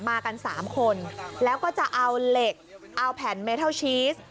มากัน๓คนแล้วก็จะเอาเหล็กเอาแผ่นเมทัลชีส